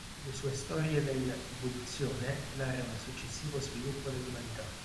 Le sue storie dell'"Evoluzione" narrano il successivo sviluppo dell'umanità.